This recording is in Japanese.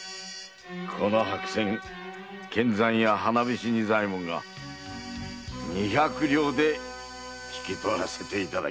この白扇献残屋花菱仁左衛門が二百両で引き取らせていただきます。